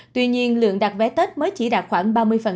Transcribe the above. tuy nhiên lượng đặt vé tết mới chỉ đạt khoảng